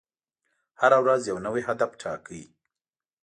هره ورځ یو نوی هدف ټاکئ.